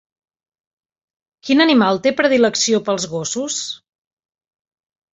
Quin animal té predilecció pels gossos?